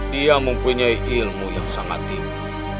dia mempunyai ilmu yang sangat tinggi